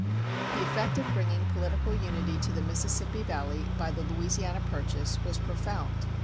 The effect of bringing political unity to the Mississippi Valley by the Louisiana Purchase was profound.